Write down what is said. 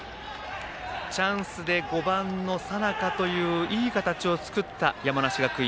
チャンスで５番の佐仲といういい形を作った山梨学院。